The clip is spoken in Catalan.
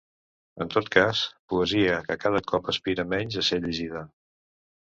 En tot cas, poesia que cada cop aspira menys a ser llegida.